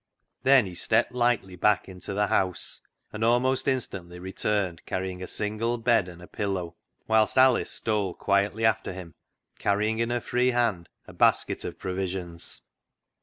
Then he stepped lightly back into the house, and almost instantly returned carrying a single bed and a pillow, whilst Alice stole quietly after him carrying in her free hand a basket of provisions.